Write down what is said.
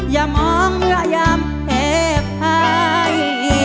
อย่ามองและยามแภบให้